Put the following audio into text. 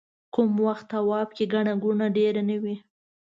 کوم وخت طواف کې ګڼه ګوڼه ډېره نه وي.